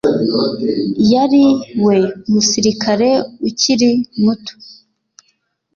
yari we musirikare ukiri muto